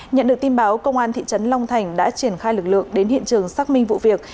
nhận được tin báo công an thị trấn long thành đã triển khai lực lượng đến hiện trường xác minh vụ việc